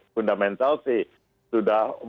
fundamental sih sudah